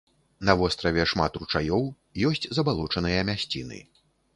На востраве шмат ручаёў, ёсць забалочаныя мясціны.